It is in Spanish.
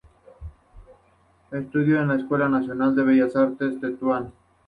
Estudió en la Escuela Nacional de Bellas Artes de Tetuán.